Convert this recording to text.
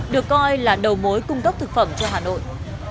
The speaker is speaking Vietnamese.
được coi là đầu mối cung cấp thực phẩm cho hà nội